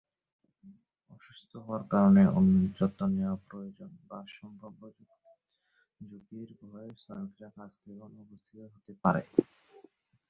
অসুস্থ হওয়ার কারণে, অন্যের যত্ন নেওয়া প্রয়োজন, বা সম্ভাব্য ঝুঁকির ভয়ে শ্রমিকরা কাজ থেকে অনুপস্থিত হতে পারে।